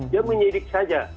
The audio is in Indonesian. dia menyidik saja